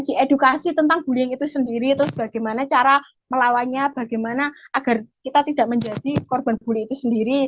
diedukasi tentang bullying itu sendiri terus bagaimana cara melawannya bagaimana agar kita tidak menjadi korban bully itu sendiri